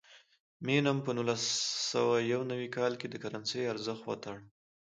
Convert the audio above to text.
مینم په نولس سوه یو نوي کال کې د کرنسۍ ارزښت وتاړه.